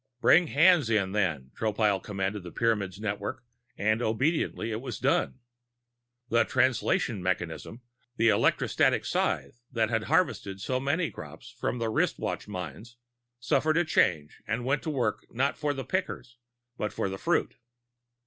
Bring hands in, then! Tropile commanded the Pyramids' network and obediently it was done. The Translation mechanism, the electrostatic scythe that had harvested so many crops from the wristwatch mines, suffered a change and went to work not for the pickers but for the fruit.